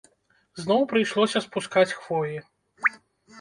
Зноў прыйшлося спускаць хвоі.